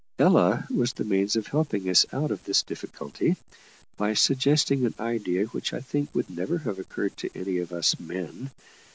Ella was the means of helping us out of this difficulty, by suggesting an idea which I think would never have occurred to any of us men.